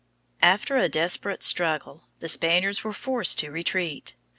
After a desperate struggle, the Spaniards were forced to retreat.